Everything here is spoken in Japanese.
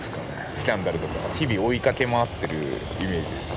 スキャンダルとか日々追いかけ回ってるイメージですね。